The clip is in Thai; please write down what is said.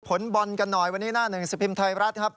ผลบอลกันหน่อยวันนี้หน้าหนึ่งสิบพิมพ์ไทยรัฐครับ